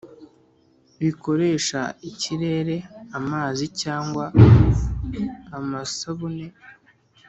bikoresha ikirere amazi cyangwa amasabune